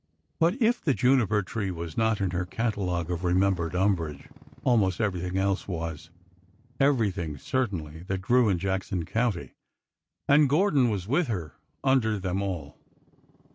But if the juniper tree was not in her catalogue of re membered umbrage, almost everything else was— every thing, certainly, that grew in Jackson County. And Gor don was with her under them all